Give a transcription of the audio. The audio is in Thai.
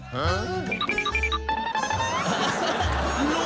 หือ